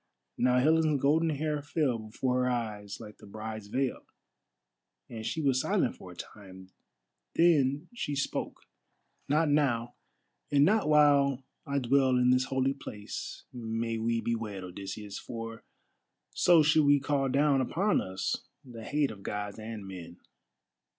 Now Helen's golden hair fell before her eyes like the bride's veil, and she was silent for a time. Then she spoke: "Not now, and not while I dwell in this holy place may we be wed, Odysseus, for so should we call down upon us the hate of Gods and men.